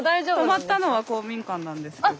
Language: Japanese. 泊まったのは公民館なんですけど。